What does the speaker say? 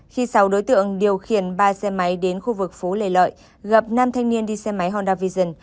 khi sáu đối tượng điều khiển ba xe máy đến khu vực phố lê lợi gặp nam thanh niên đi xe máy honda vision